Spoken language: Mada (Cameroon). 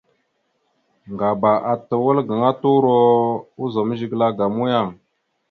Ŋgaba ata wal gaŋa turo ozum zigəla ga muyang.